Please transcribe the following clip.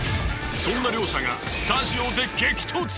そんな両者がスタジオで激突。